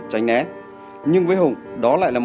đã đánh ngoài kia đau lắm